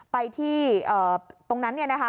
ไปที่ตรงนั้นเนี่ยนะคะ